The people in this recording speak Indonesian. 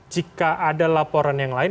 jika ada laporan yang lain